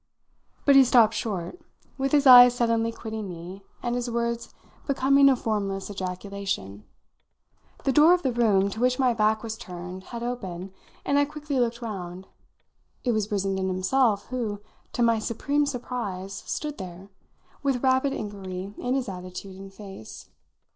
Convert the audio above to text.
But he stopped short, with his eyes suddenly quitting me and his words becoming a formless ejaculation. The door of the room, to which my back was turned, had opened, and I quickly looked round. It was Brissenden himself who, to my supreme surprise, stood there, with rapid inquiry in his attitude and face.